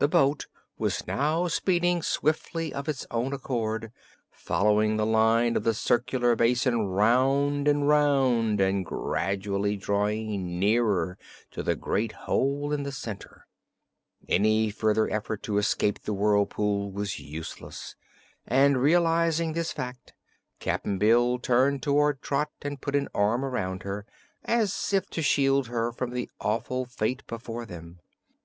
The boat was now speeding swiftly of its own accord, following the line of the circular basin round and round and gradually drawing nearer to the great hole in the center. Any further effort to escape the whirlpool was useless, and realizing this fact Cap'n Bill turned toward Trot and put an arm around her, as if to shield her from the awful fate before them.